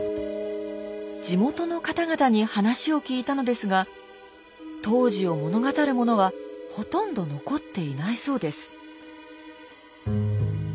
地元の方々に話を聞いたのですが当時を物語るものはほとんど残っていないそうです。